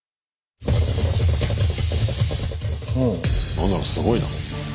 何だろうすごいな。